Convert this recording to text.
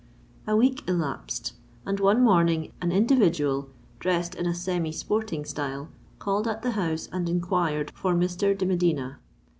A week elapsed, and one morning an individual, dressed in a semi sporting style, called at the house and inquired for Mr. de Medina.